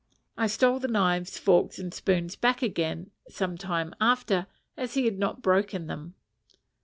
(I stole the knives, forks, and spoons back again some time after, as he had not broken them.)